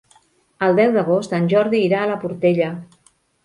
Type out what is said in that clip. El deu d'agost en Jordi irà a la Portella.